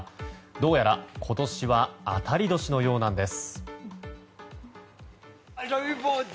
どうやら今年は当たり年のようなんです。